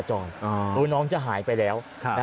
จะหายไปแล้ว